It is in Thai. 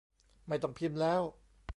ไม่ต้องพิมพ์แล้ว